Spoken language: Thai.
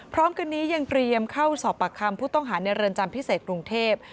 พร้อมกันนี้ยังเตรียมเข้าสอบปากคำผู้ต้องหาในเรือนจำพิเศษกรุงเทพ